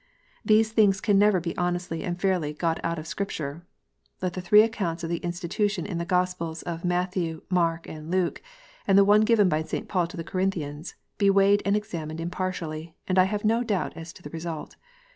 These things can never be honestly and fairly got out of Scripture. Let the three accounts of the "institution, in the Gospels of Matthew, Mark, and Luke, and the one given by St. Paul to the Corinthians, be weighed and examined impartially, and I have no doubt as to the result.